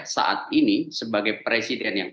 saat ini sebagai presiden yang